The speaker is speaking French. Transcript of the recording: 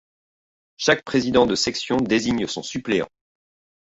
Chaque président de section désigne son suppléant.